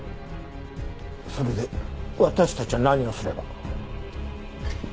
それで私たちは何をすれば？